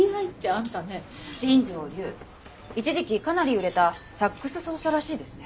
一時期かなり売れたサックス奏者らしいですね。